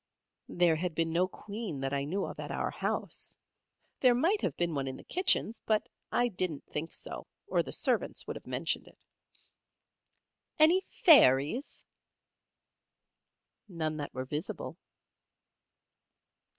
There had been no queen that I knew of at our house. There might have been one in the kitchen; but I didn't think so, or the servants would have mentioned it. "Any fairies?" None that were visible.